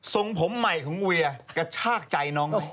ส่งผมใหม่ของเวียกระชากใจน้อง